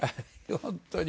本当に。